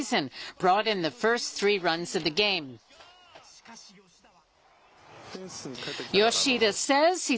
しかし吉田は。